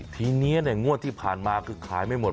ทีเนี่ยเนี่ยงวดที่ผ่านมาคือขายไม่หมด